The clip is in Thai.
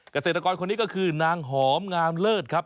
เกษตรกรคนนี้ก็คือนางหอมงามเลิศครับ